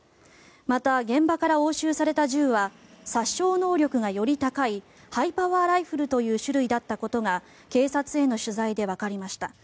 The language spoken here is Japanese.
また、現場から押収された銃は殺傷能力がより高いハイパワーライフルという種類だったことが警察への取材でわかりました。